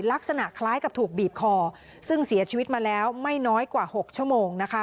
ลักษณะคล้ายกับถูกบีบคอซึ่งเสียชีวิตมาแล้วไม่น้อยกว่า๖ชั่วโมงนะคะ